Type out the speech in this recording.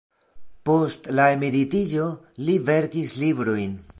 Post la emeritiĝo li verkis librojn.